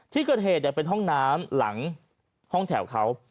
ที่เกิดเหตุเป็นห้องน้ำหลังห้องแถวเขา